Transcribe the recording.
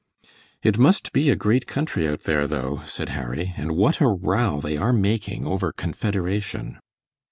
"It must be a great country out there, though," said Harry, "and what a row they are making over Confederation."